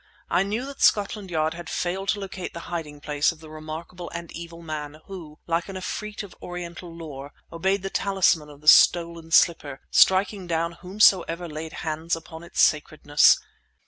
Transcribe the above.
I knew that Scotland Yard had failed to locate the hiding place of the remarkable and evil man who, like an efreet of Oriental lore, obeyed the talisman of the stolen slipper, striking down whomsoever laid hand upon its sacredness.